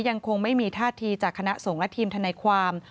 ยังคงไม่มีท่าทีจากคณะสงฆ์และทีมทนายความ